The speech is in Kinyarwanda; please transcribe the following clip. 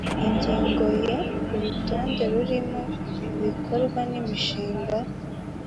Ingingo ya Urutonde rurimo ibikorwa n imishinga